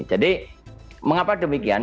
jadi mengapa demikian